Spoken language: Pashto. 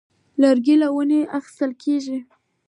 لرګی له ونو اخیستل کېږي.